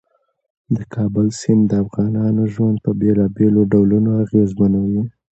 د کابل سیند د افغانانو ژوند په بېلابېلو ډولونو اغېزمنوي.